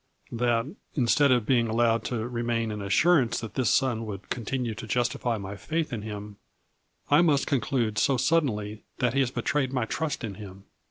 That, instead of being allowed to remain in assurance that this son would continue to justify my faith in him, I must conclude so suddenly that he has betrayed my trust in him.